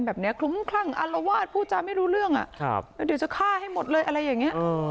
ไม่ไหวแล้วพ่อแม่อะไรมาใส่หัวฉันเนี่ย